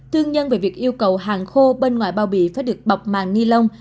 tương nhân về việc yêu cầu hàng khô bên ngoài bao bị phải được bọc màng nilon